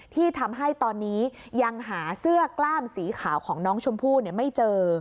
ที่ทำให้ตอนนี้ยังหาเสื้อกล้ามสีขาวของน้องชมพู่ไม่เจอ